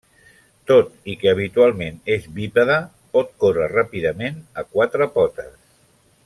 Tot i que habitualment és bípede, pot córrer ràpidament a quatre potes.